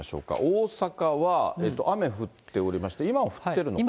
大阪は、雨降っておりまして、今は降ってるのかな。